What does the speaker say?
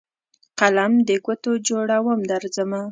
قلم دګوټو جوړوم درځمه